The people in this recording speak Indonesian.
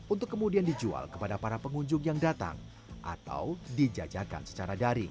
untuk kemudian dijual kepada para pengunjung yang datang atau dijajakan secara daring